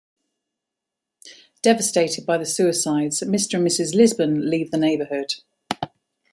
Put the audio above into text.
Devastated by the suicides, Mr. and Mrs. Lisbon leave the neighborhood.